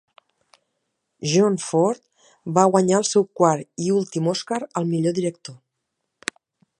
John Ford va guanyar el seu quart i últim Oscar al millor director.